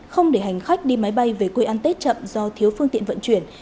không để hành khách đi máy bay về quê ăn tết chậm do thiếu phương tiện vận chuyển